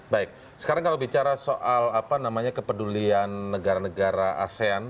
baik sekarang kalau bicara soal apa namanya kepedulian negara negara asean